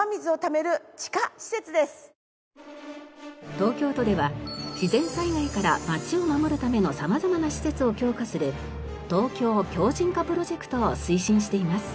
東京都では自然災害から街を守るための様々な施設を強化するＴＯＫＹＯ強靭化プロジェクトを推進しています。